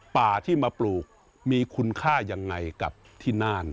ป่าที่มาปลูกมีคุณค่ายังไงกับที่น่าน